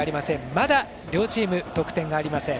まだ両チーム、得点がありません。